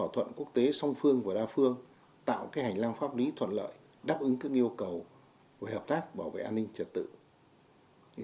thứ ba là đã tạo hành lang pháp lý thuận lợi đáp ứng các yêu cầu về hợp tác bảo vệ an ninh trật tự